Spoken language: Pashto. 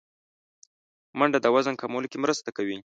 منډه د وزن کمولو کې مرسته کوي